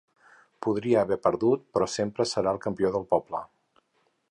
Podria haver perdut, però sempre serà el campió del poble.